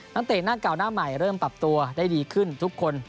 เตะหน้าเก่าหน้าใหม่เริ่มปรับตัวได้ดีขึ้นทุกคน